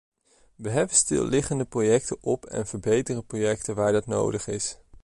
We heffen stilliggende projecten op en verbeteren projecten waar dat nodig is.